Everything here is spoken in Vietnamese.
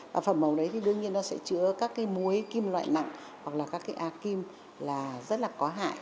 và phẩm màu đấy thì đương nhiên nó sẽ chứa các cái muối kim loại nặng hoặc là các cái a kim là rất là có hại